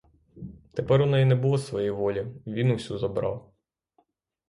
Тепер у неї не було своєї волі — він усю забрав.